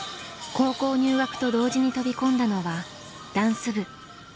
高校入学と同時に飛び込んだのはダンス部。